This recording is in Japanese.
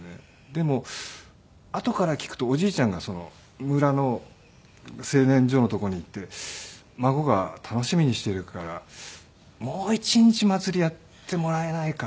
でもあとから聞くとおじいちゃんが村の青年所の所に行って「孫が楽しみにしているからもう一日祭りやってもらえないか」